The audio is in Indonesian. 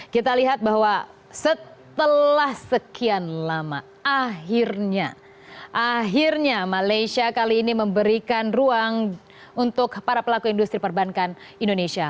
kita lihat bahwa setelah sekian lama akhirnya malaysia kali ini memberikan ruang untuk para pelaku industri perbankan indonesia